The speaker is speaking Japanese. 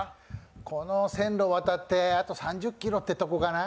この線路を渡ってあと３０ｋｍってとこかな。